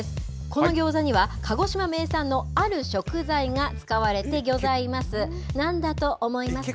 このギョーザには鹿児島名産のある食材が使われてぎょざいます。